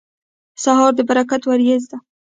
سهار د برکت وریځ ده.